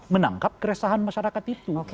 menangkap keresahan masyarakat itu